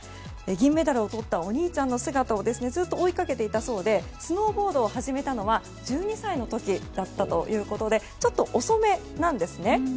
銀メダルをとったお兄さんの姿をずっと追いかけていたそうでスノーボードを始めたのは１２歳の時だったということでちょっと遅めなんですね。